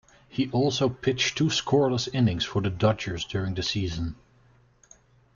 He also pitched two scoreless innings for the Dodgers during the season.